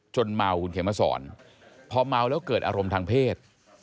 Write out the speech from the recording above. เมาคุณเขียนมาสอนพอเมาแล้วเกิดอารมณ์ทางเพศ